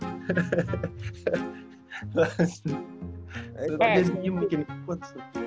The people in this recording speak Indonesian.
dia sudah diam bikin quotes